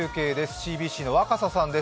ＣＢＣの若狭さんです。